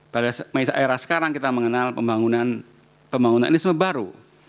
pada era sekarang kita mengenal pembangunanisme baru